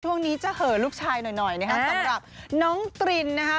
ช่วงนี้จะเหลือลูกชายหน่อยสำหรับน้องตรินนะคะ